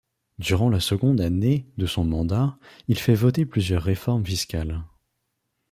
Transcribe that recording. Durant la seconde année de son mandat, il fait voter plusieurs réformes fiscales.